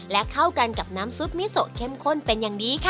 และเข้ากันกับน้ำซุปมิโซเข้มข้นเป็นอย่างดีค่ะ